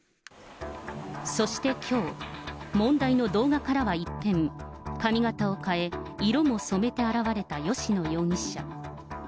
そしてきょう、問題の動画からは一転、髪形を変え、色も染めて現れた吉野容疑者。